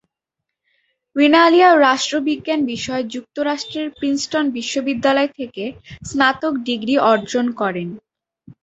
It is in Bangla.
রিনালিয়া রাষ্ট্রবিজ্ঞান বিষয়ে যুক্তরাষ্ট্রের প্রিন্সটন বিশ্ববিদ্যালয় থেকে স্নাতক ডিগ্রি অর্জন করেন।